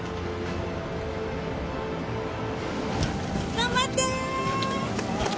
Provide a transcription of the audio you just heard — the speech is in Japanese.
頑張ってー！